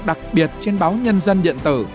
đặc biệt trên báo nhân dân điện tử